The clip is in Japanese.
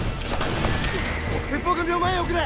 鉄砲組を前へ送れ！